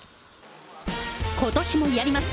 ことしもやります！